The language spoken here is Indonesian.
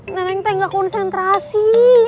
neneng teh gak konsentrasi